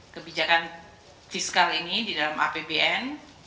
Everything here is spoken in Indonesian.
kebijakan fiskal ini di dalam apbn